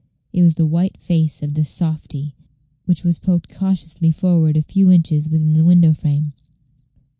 It was the white face of the softy, which was poked cautiously forward a few inches within the window frame.